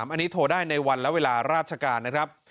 อันนี้โทรได้ในวันและเวลาราชการนะครับ